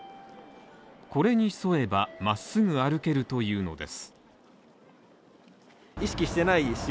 これに沿えば、まっすぐ歩けるというのです。